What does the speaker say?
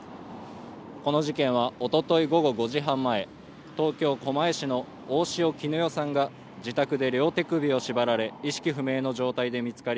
この事件はおととい午後５時半前東京狛江市の大塩衣与さんが自宅で両手首を縛られ意識不明の状態で見つかり